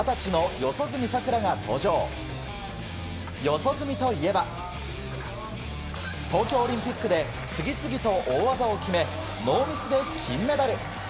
四十住といえば東京オリンピックで次々と大技を決めノーミスで金メダル。